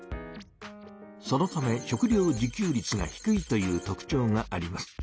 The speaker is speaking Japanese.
そのため食料自給率が低いという特ちょうがあります。